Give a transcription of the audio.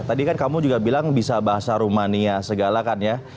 tadi kan kamu juga bilang bisa bahasa rumania segala kan ya